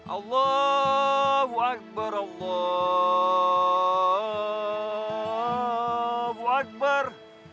allahu akbar allahu akbar